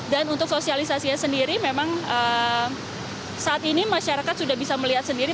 dan untuk sosialisasinya sendiri memang saat ini masyarakat sudah bisa melihat sendiri